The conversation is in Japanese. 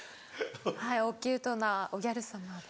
はいおキュートなおギャル様で。